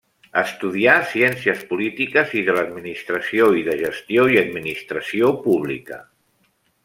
Estudià Ciències Polítiques i de l'Administració i de Gestió i Administració Pública.